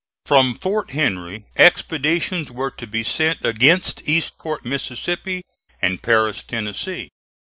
From Fort Henry expeditions were to be sent against Eastport, Mississippi, and Paris, Tennessee.